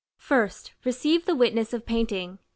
1st. Receive the witness of Painting.